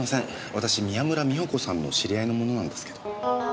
私宮村美保子さんの知り合いの者なんですけど。